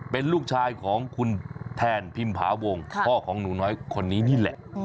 เป็นลูกชายของคุณแทนพิมพาวงพ่อของหนูน้อยคนนี้นี่แหละ